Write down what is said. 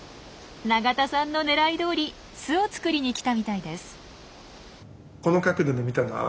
永田さんの狙いどおり巣を作りに来たみたいです。